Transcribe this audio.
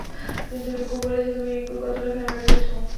কিন্তু রিংকু বলেছে তুমি রিংকুর কতটা খেয়াল রেখেছো।